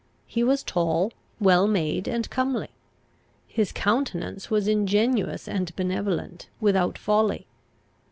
He was tall, well made, and comely. His countenance was ingenuous and benevolent, without folly.